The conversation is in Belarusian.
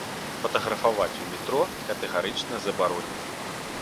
Фатаграфаваць у метро катэгарычна забаронена.